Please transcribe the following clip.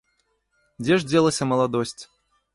Дзе ж дзелася маладосць?